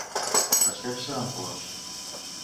Desfer-se en plors.